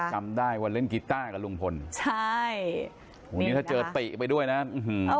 จำได้วันเล่นกีต้ากับลุงพลใช่โหนี่ถ้าเจอติไปด้วยนะอื้อหือ